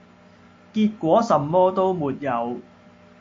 結果什麼都沒有